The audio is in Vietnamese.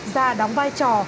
da đóng vai trò